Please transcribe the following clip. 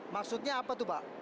maksudnya apa tuh pak